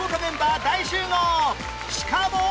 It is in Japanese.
しかも